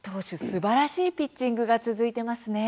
すばらしいピッチングが続いてますね。